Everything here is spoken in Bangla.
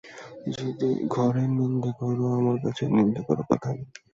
ঘরে নিন্দে করো, আমার কাছে নিন্দে করো, কথা নেই।